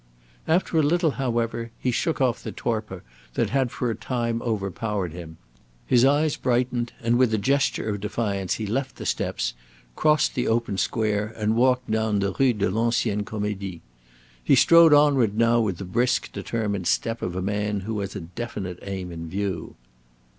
After a little, however, he shook off the torpor that had for a time overpowered him; his eyes brightened, and, with a gesture of defiance, he left the steps, crossed the open square and walked down the Rue de l'Ancienne Comedie. He strode onward now with the brisk, determined step of a man who has a definite aim in view.